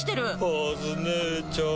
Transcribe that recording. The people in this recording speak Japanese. カズ姉ちゃん。